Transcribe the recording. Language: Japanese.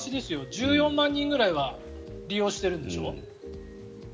１４万人くらいは利用してるんでしょ？